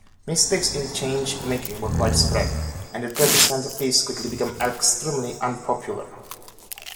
Mistakes in change-making were widespread, and the twenty-cent piece quickly became extremely unpopular.